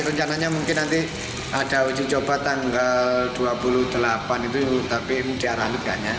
rencananya mungkin nanti ada uji coba tanggal dua puluh delapan itu tapi diarahan itu kan ya